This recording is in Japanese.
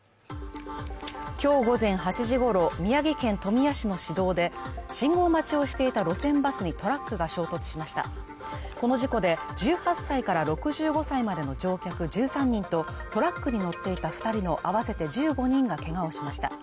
今日午前８時ごろ宮城県富谷市の市道で信号待ちをしていた路線バスにトラックが衝突しましたこの事故で１８歳から６５歳までの乗客１３人とトラックに乗っていた二人の合わせて１５人がけがをしました